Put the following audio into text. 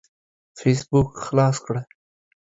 فيسبوک خلاص کړه.